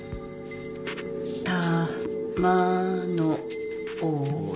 「たまのおよ」